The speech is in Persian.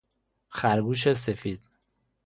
خر گوش سفید